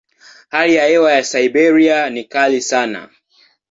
Hali ya hewa ya Siberia ni kali sana.